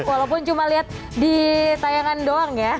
walaupun cuma lihat di tayangan doang ya